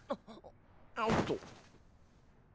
おっと！